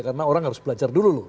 karena orang harus belajar dulu loh